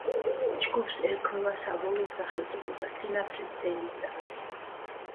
ჯგუფს ერქმევა საბოლოო სახელწოდება: „სინათლის წელიწადი“.